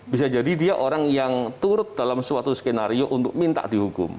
bisa jadi dia orang yang turut dalam suatu skenario untuk minta dihukum